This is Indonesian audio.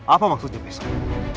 apa maksudnya besok